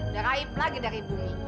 udah raib lagi dari bumi